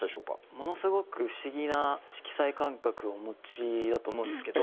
ものすごく不思議な色彩感覚をお持ちだと思うんですけど。